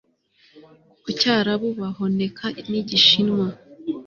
ku cyarabu bahoneka nigishinwa